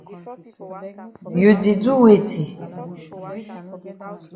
You di do weti?